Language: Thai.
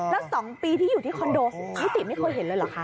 แล้ว๒ปีที่อยู่ที่คอนโดพี่ติไม่เคยเห็นเลยเหรอคะ